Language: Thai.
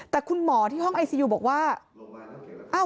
แต่คุณหมอที่ห้องไอซียูบอกว่า